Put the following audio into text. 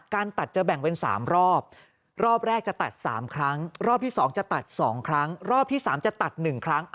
ตัดจะแบ่งเป็น๓รอบรอบแรกจะตัด๓ครั้งรอบที่๒จะตัด๒ครั้งรอบที่๓จะตัด๑ครั้ง